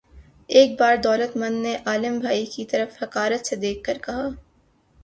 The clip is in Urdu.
ایک بار دولت مند نے عالم بھائی کی طرف حقارت سے دیکھ کر کہا